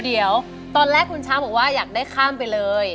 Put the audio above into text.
เดี๋ยวตอนแรกคุณช้างบอกว่าอยากได้ข้ามไปเลย